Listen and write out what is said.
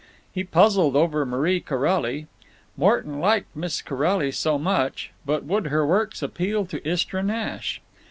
He puzzled over Marie Corelli. Morton liked Miss Corelli so much; but would her works appeal to Istra Nash?